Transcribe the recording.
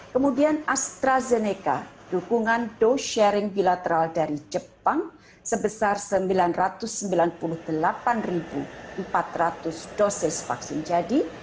kemudian astrazeneca dukungan dose sharing bilateral dari jepang sebesar sembilan ratus sembilan puluh delapan empat ratus dosis vaksin jadi